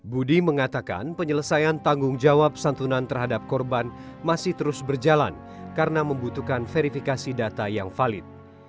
budi mengatakan penyelesaian tanggung jawab santunan terhadap korban masih terus berjalan karena membutuhkan verifikasi data yang valid